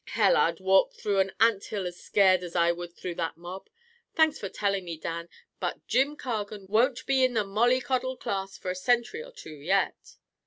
Hell! I'd walk through an ant hill as scared as I would through that mob. Thanks for telling me, Dan, but Jim Cargan won't be in the mollycoddle class for a century or two yet."